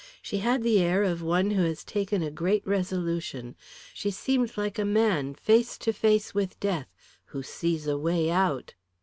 She had the air of one who has taken a great resolution. She seemed like a man face to face with death, who sees a way out.